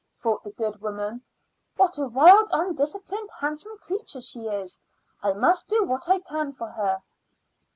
thought the good woman. "What a wild, undisciplined, handsome creature she is! I must do what I can for her."